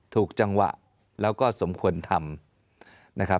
ถูกจังหวะแล้วก็สมควรทำ